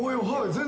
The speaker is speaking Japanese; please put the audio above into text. はい。